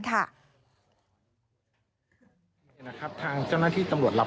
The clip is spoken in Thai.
เดี๋ยวผมต้องดูรายละเอียดให้ชุดเตรียมกันนะครับ